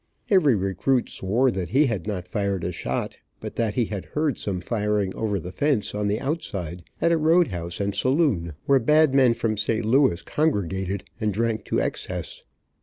Every recruit swore that he had not fired a shot, but that he had heard some firing over the fence, on the outside, at a road house and saloon, where bad men from St. Louis congregated and drank to excess.